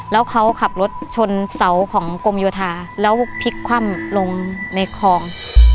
แล้วเขาขับรถชนเสาของกรมโยธาแล้วพลิกคว่ำลงในคลอง